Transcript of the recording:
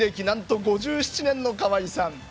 なんと５７年の川合さん。